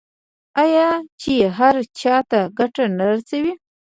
آیا چې هر چا ته ګټه نه رسوي؟